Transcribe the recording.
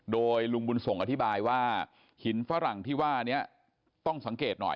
โดยลุงบุญส่งอธิบายว่าหินฝรั่งที่ว่านี้ต้องสังเกตหน่อย